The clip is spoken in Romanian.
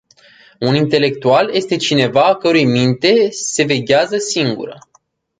Un intelectual este cineva a cărui minte se veghează singură.